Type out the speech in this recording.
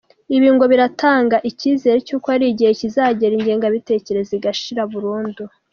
Ibi ngo biratanga icyizere cy’uko hari igihe kizagera ingengabitekerezo igashira burundu.